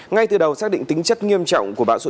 ngay từ đầu xác định tính chất nghiêm trọng của bão số năm